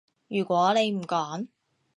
如果你唔講